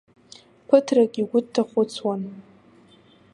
Ԥыҭрак игәы дҭахәыцуан.